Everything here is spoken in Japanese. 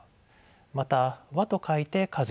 また「和」と書いて「かず」。